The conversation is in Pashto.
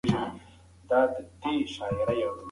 ملا په داسې حال کې یو تت غږ واورېد.